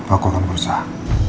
aku akan berusaha